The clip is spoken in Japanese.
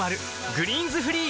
「グリーンズフリー」